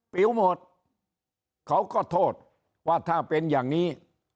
ปิ๋วหมดเขาก็โทษว่าถ้าเป็นอย่างนี้